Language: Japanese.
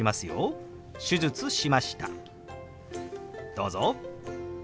どうぞ。